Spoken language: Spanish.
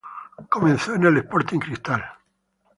Comenzó en el Sporting Cristal.